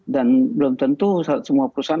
dan belum tentu semua perusahaan